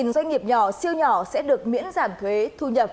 bảy trăm linh doanh nghiệp nhỏ siêu nhỏ sẽ được miễn giảm thuế thu nhập